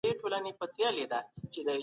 ستا د ږغ څــپــه، څـپه، څپــه نـه ده